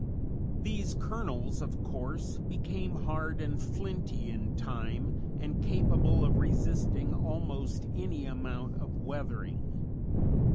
These kernels, of course, became hard and flinty in time, and capable of resisting almost any amount of weathering.